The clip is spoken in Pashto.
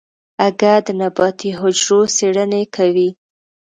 اگه د نباتي حجرو څېړنې کوي.